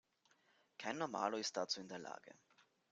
Kein Normalo ist dazu in der Lage.